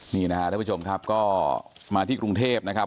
นี่นะครับท่านผู้ชมครับก็มาที่กรุงเทพนะครับ